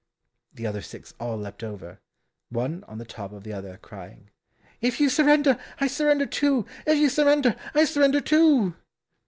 The other six all leapt over, one on the top of the other, crying, "If you surrender, I surrender too! If you surrender, I surrender too!"